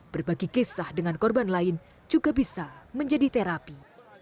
berbagi kisah dengan korban lain juga bisa menjadi terapi